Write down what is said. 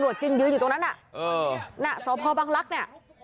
โอ้โฮโอ้โฮโอ้โฮโฮ